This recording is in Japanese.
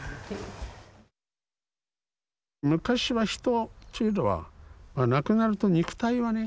昔は人というのは亡くなると肉体はね